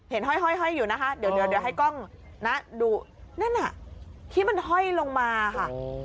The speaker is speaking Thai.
ห้อยอยู่นะคะเดี๋ยวให้กล้องนะดูนั่นน่ะที่มันห้อยลงมาค่ะ